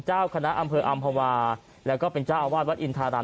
เจ้าคณะอำเภออำภาวาแล้วก็เป็นเจ้าอาวาสวัดอินทาราม